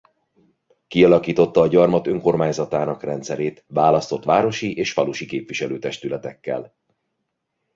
Kialakította a gyarmat önkormányzatának rendszerét választott városi és falusi képviselőtestületekkel.